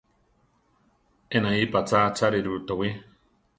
Enaí patzá acháriru towí.